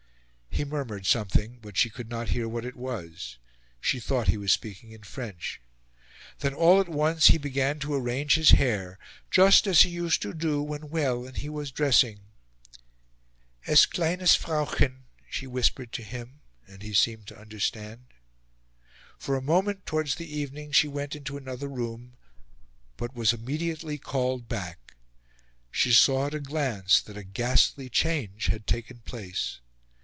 He murmured something, but she could not hear what it was; she thought he was speaking in French. Then all at once he began to arrange his hair, "just as he used to do when well and he was dressing." "Es kleines Frauchen," she whispered to him; and he seemed to understand. For a moment, towards the evening, she went into another room, but was immediately called back; she saw at a glance that a ghastly change had taken place.